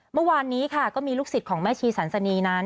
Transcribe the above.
เมื่อวานนี้ค่ะก็มีลูกศิษย์ของแม่ชีสันสนีนั้น